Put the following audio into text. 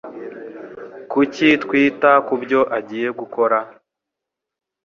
Kuki twita kubyo agiye gukora?